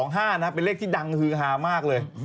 เป็นเลขที่ดังฮือฮามากเลย